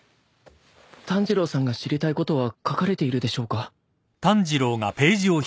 炭治郎さんが知りたいことは書かれているでしょうか？